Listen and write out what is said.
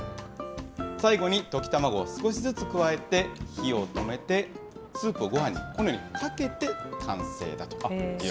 最後に溶き卵を少しずつ加えて、火を止めてスープをごはんにこのようにかけて、完成だということです。